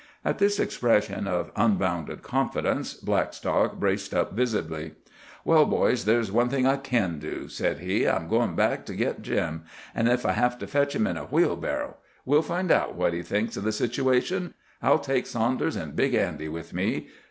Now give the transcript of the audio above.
At this expression of unbounded confidence Blackstock braced up visibly. "Well, boys, there's one thing I kin do," said he. "I'm goin' back to git Jim, ef I hev to fetch him in a wheelbarrow. We'll find out what he thinks o' the situation. I'll take Saunders an' Big Andy with me.